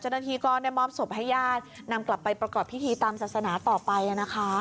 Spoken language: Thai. เจ้าหน้าที่ก็ได้มอบศพให้ญาตินำกลับไปประกอบพิธีตามศาสนาต่อไปนะคะ